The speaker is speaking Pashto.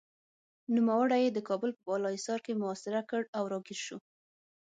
نوموړي یې د کابل په بالاحصار کې محاصره کړ او راګېر شو.